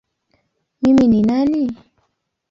Mimi ni nani?